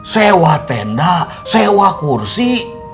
sewa tenda sewa kursi